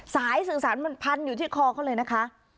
สายสื่อสารมันพันอยู่ที่คอเขาเลยนะคะ